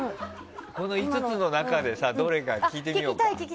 この５つの中でどれか聞いてみようか。